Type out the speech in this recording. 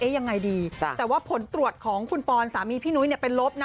ยังไงดีแต่ว่าผลตรวจของคุณปอนสามีพี่นุ้ยเนี่ยเป็นลบนะ